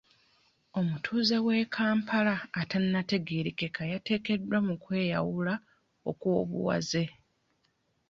Omutuuze w'e Kampala atanategeerekeka yateekeddwa mu kwe yawula okw'obuwaze.